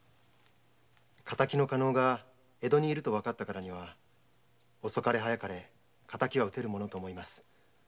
敵の加納が江戸にいると判ったからには遅かれ早かれ敵は討てると思います。